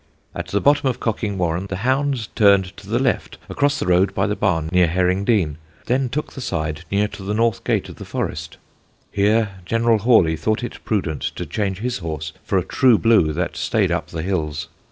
At the bottom of Cocking Warren the hounds turned to the left across the road by the barn near Heringdean, then took the side near to the north gate of the Forest (Here General Hawley thought it prudent to change his horse for a true blue that staid up the hills).